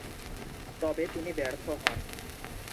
তবে তিনি ব্যর্থ হন।